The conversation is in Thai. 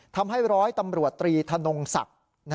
ทำให้ร้อยตำรวจตรีธนงศักดิ์